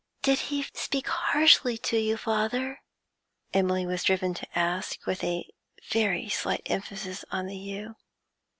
'Did he speak harshly to you, father?' Emily was driven to ask, with very slight emphasis on the 'you.'